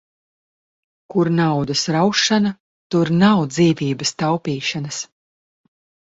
Kur naudas raušana, tur nav dzīvības taupīšanas.